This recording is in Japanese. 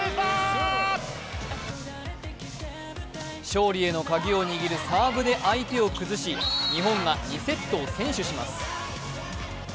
勝利へのカギを握るサーブで相手を崩し日本が２セットを先取します。